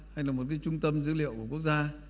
hay là một cái trung tâm dữ liệu của quốc gia